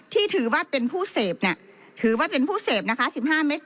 ที่ถือว่าเป็นผู้เสพเนี่ยถือว่าเป็นผู้เสพนะคะ๑๕เมตร